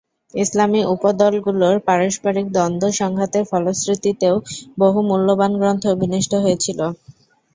ইসলামী উপদলগুলোর পারস্পরিক দ্বন্দ্ব-সংঘাতের ফলশ্রুতিতেও বহু মূল্যবান গ্রন্থ বিনষ্ট হয়েছিল।